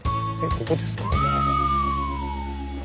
ここですか？